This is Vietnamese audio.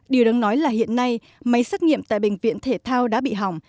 điều đáng nói là hiện nay máy xét nghiệm tại bệnh viện thể thao đã bị hỏng